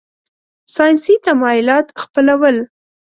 ساینسي تمایلات خپلول.